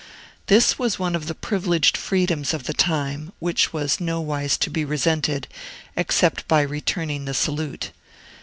This was one of the privileged freedoms of the time, and was nowise to be resented, except by returning the salute.